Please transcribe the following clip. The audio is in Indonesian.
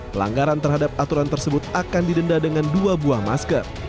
pelanggaran terhadap aturan tersebut akan didenda dengan dua buah masker